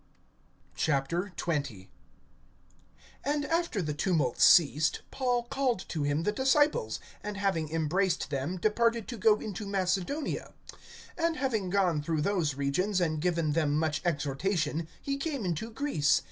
XX. AND after the tumult ceased, Paul called to him the disciples, and having embraced them, departed to go into Macedonia. (2)And having gone through those regions, and given them much exhortation, he came into Greece.